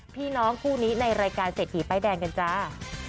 พี่น้องคู่นี้ในรายการเศรษฐีป้ายแดงกันจ้า